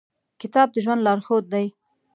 کتاب د ژوند لارښود دی.